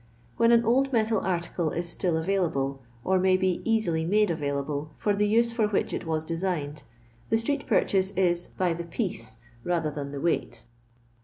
When sa old metal article is still avaihible, or may hs easily made available, for the use for which it was designed, the street purchase is by ''ths piece," rather than the weight.